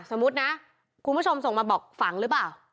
สมมุตินะคุณผู้ชมส่งมาบอกฝังหรือเปล่า